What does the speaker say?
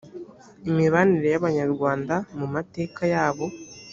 imibanire y abanyarwanda mu mateka yabo